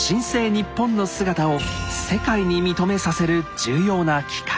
日本の姿を世界に認めさせる重要な機会。